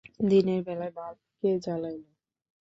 দিনের বেলায় বাল্ব কে জ্বালাইলো?